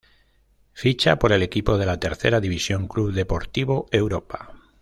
Ficha por el equipo de la Tercera División, Club Deportivo Europa.